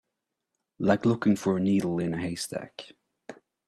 Like looking for a needle in a haystack.